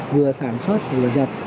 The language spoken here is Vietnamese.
vừa sản xuất vừa nhập